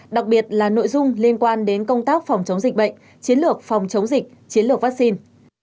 đặc biệt là nội dung liên quan đến công tác phòng chống dịch bệnh chiến lược phòng chống dịch chiến lược vaccine